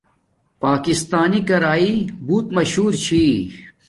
پاکستانی کرݶ بوت مہشور چھی